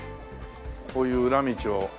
こういう裏道を。